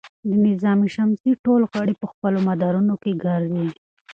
د نظام شمسي ټول غړي په خپلو مدارونو کې ګرځي.